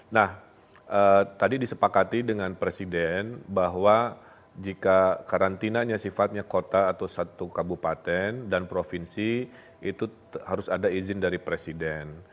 nah tadi disepakati dengan presiden bahwa jika karantinanya sifatnya kota atau satu kabupaten dan provinsi itu harus ada izin dari presiden